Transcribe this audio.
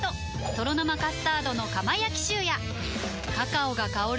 「とろ生カスタードの窯焼きシュー」やカカオが香る！